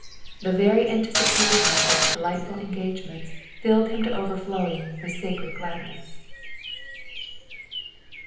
The very anticipation of such delightful engagements filled him to oveiSowing with sacred gladness.